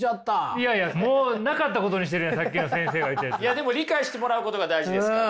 でも理解してもらうことが大事ですから。